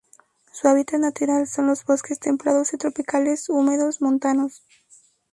Su hábitat natural son las bosques templados y tropicales húmedos montanos.